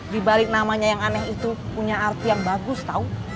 di balik namanya yang aneh itu punya arti yang bagus tahu